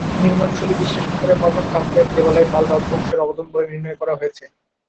নির্মাণ শৈলী বিশ্লেষণ করে মদন কামদেব দেবালয় পাল রাজবংশ-এর অবদান বলে নির্ণয় করা হয়েছে।